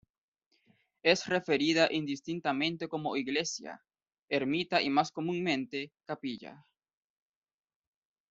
Es referida indistintamente como Iglesia, Ermita y más comúnmente, Capilla.